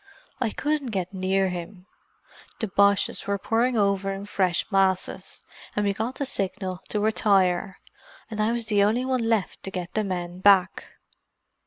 I couldn't get near him—the Boches were pouring over in fresh masses, and we got the signal to retire—and I was the only one left to get the men back.